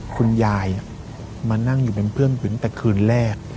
คุณยายมานั่งอยู่เป็นเพื่อนของฉันตั้งแต่คืนแรก